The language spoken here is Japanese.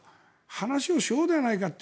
話をしようではないかと。